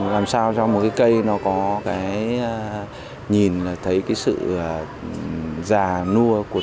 làm sao cho một cây có nhìn thấy sự già nua của cây